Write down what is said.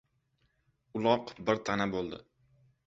Uloq bir tana bo‘ldi.